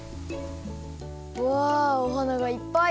うわお花がいっぱい！